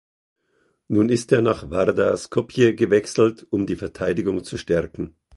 Nun ist er nach Vardar Skopje gewechselt, um die Verteidigung zu stärken.